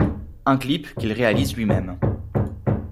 Un clip qu’il réalise lui-même.